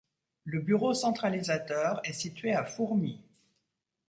Le bureau centralisateur est situé à Fourmies.